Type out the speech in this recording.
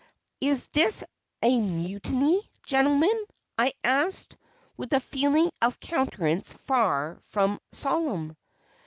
"Is this a mutiny, gentlemen?" I asked, with a feeling and countenance far from solemn.